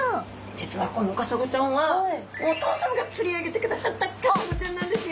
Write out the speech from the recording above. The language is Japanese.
実はこのカサゴちゃんはお父さまが釣り上げてくださったカサゴちゃんなんですよ。